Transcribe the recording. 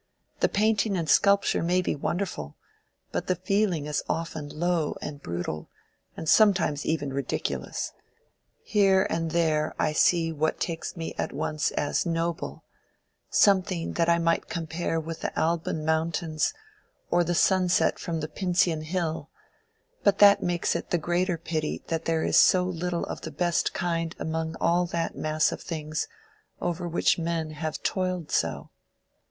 The painting and sculpture may be wonderful, but the feeling is often low and brutal, and sometimes even ridiculous. Here and there I see what takes me at once as noble—something that I might compare with the Alban Mountains or the sunset from the Pincian Hill; but that makes it the greater pity that there is so little of the best kind among all that mass of things over which men have toiled so."